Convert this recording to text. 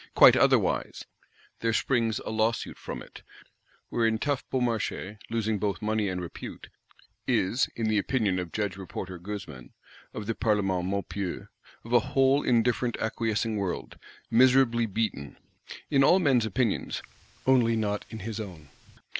Quite otherwise; there springs a Lawsuit from it: wherein tough Beaumarchais, losing both money and repute, is, in the opinion of Judge Reporter Goezman, of the Parlement Maupeou, of a whole indifferent acquiescing world, miserably beaten. In all men's opinions, only not in his own!